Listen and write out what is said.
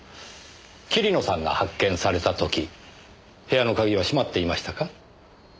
桐野さんが発見された時部屋の鍵は閉まっていましたか？